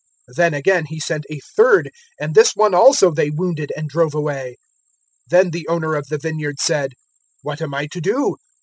020:012 Then again he sent a third; and this one also they wounded and drove away. 020:013 Then the owner of the vineyard said, "`What am I to do?